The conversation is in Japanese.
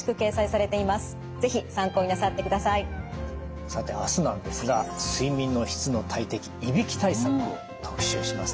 さて明日なんですが睡眠の質の大敵いびき対策を特集します。